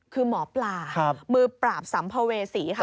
คือหมอปลามือปราบสัมภเวษีค่ะ